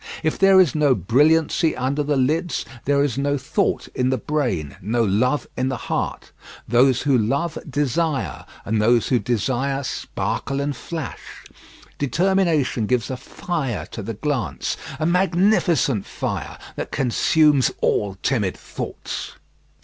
If there is no brilliancy under the lids, there is no thought in the brain, no love in the heart. Those who love desire, and those who desire sparkle and flash. Determination gives a fire to the glance, a magnificent fire that consumes all timid thoughts.